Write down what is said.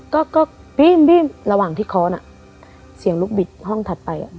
ก็ก็บีมบีมระหว่างที่ค้อนอ่ะเสียงลุกบิดห้องถัดไปอ่ะ